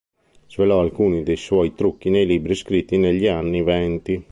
Svelò alcuni dei suoi trucchi nei libri scritti negli anni venti.